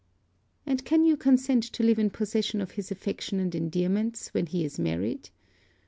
'And can you consent to live in possession of his affection and endearments, when he is married?'